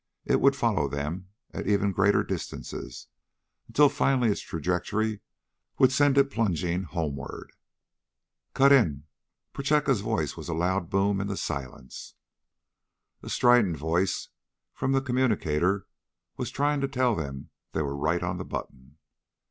It would follow them, at ever greater distances, until finally its trajectory would send it plunging homeward. "Cut in." Prochaska's voice was a loud boom in the silence. A strident voice from the communicator was trying to tell them they were right on the button.